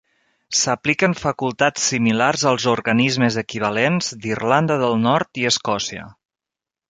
S'apliquen facultats similars als organismes equivalents d'Irlanda del Nord i Escòcia.